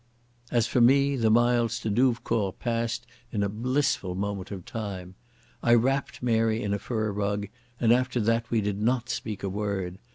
As for me, the miles to Douvecourt passed as in a blissful moment of time. I wrapped Mary in a fur rug, and after that we did not speak a word.